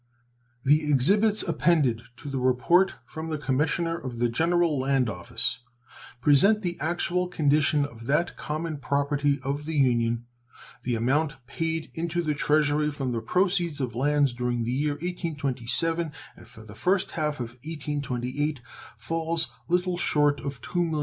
The exhibits appended to the report from the Commissioner of the General Land Office present the actual condition of that common property of the Union. The amount paid into the Treasury from the proceeds of lands during the year 1827 and for the first half of 1828 falls little short of $2,000,000.